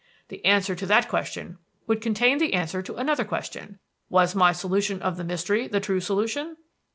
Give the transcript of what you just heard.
"The answer to that question would contain the answer to another question: 'Was my solution of the mystery the true solution?'